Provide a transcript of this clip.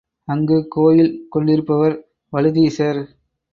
அங்கு கோயில் கொண்டிருப்பவர் வழுதீசர்.